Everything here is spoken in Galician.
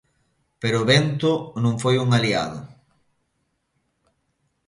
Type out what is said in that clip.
Pero o vento non foi un aliado.